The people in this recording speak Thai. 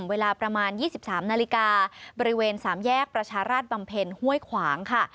เวลาประมาณ๒๓นาฬิกาบริเวณ๓แยกประชาราชบำเพ็ญห้วยขวางค่ะ